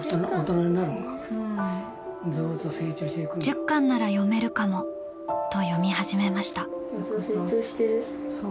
１０巻なら読めるかもと読み始めました。